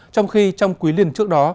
trong khi trong quý liền trước đó